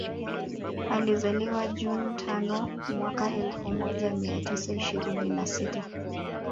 Alizaliwa June tano mwaka elfu moja mia tisa ishirini na sita